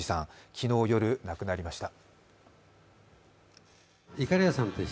昨日夜、亡くなりました。